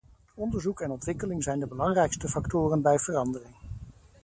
Onderzoek en ontwikkeling zijn de belangrijkste factoren bij verandering.